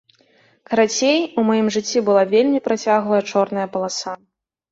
Карацей, у маім жыцці была вельмі працяглая чорная паласа.